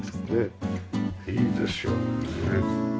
いいですよね。